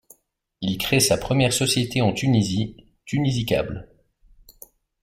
Il crée sa première société en Tunisie, Tunisie Câbles.